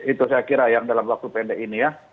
itu saya kira yang dalam waktu pendek ini ya